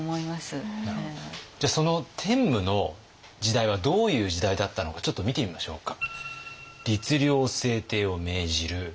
じゃあその天武の時代はどういう時代だったのかちょっと見てみましょうか。